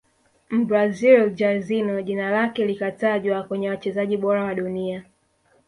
mbrazil Jairzinho jina lake likatajwa kwenye wachezaji bora wa dunia